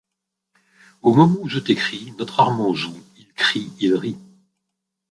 Au moment où je t’écris, notre Armand joue, il crie, il rit.